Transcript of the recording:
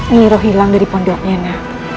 nyiroh hilang dari pondoknya